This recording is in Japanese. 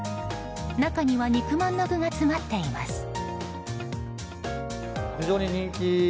中には肉まんの具が詰まっています。